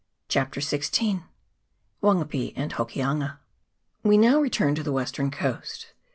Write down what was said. ] 239 CHAPTER XVI. Wangape and Hokianga. WE now return to the western coast.